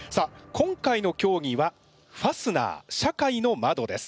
今回の競技は「ファスナー社会の窓」です。